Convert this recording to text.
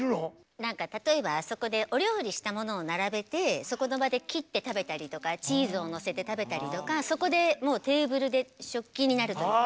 何か例えばあそこでお料理したものを並べてそこの場で切って食べたりとかチーズをのせて食べたりとかそこでもうテーブルで食器になるというか。